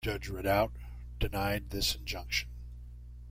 Judge Rideout denied this injunction.